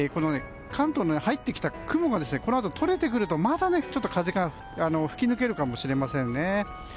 関東に入ってきた雲がこのあと取れてくるとまた風が吹き抜けるかもしれませんね。